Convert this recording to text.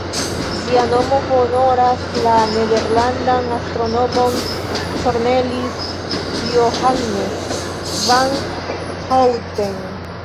Ĝia nomo honoras la nederlandan astronomon Cornelis Johannes van Houten.